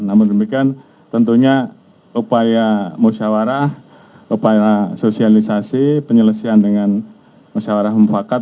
namun demikian tentunya upaya musyawarah upaya sosialisasi penyelesaian dengan musyawarah mufakat